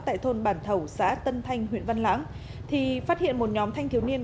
tại thôn bản thẩu xã tân thanh huyện văn lãng phát hiện một nhóm thanh thiếu niên